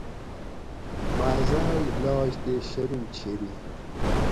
بازائے لاج تے شرم چھیری